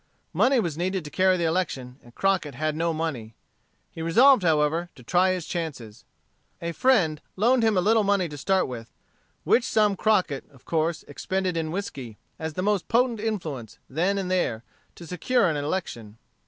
Money was needed to carry the election, and Crockett had no money. He resolved, however, to try his chances. A friend loaned him a little money to start with; which sum Crockett, of course, expended in whiskey, as the most potent influence, then and there, to secure an election.